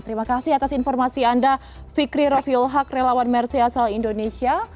terima kasih atas informasi anda fikri rofiul haq relawan merseasal indonesia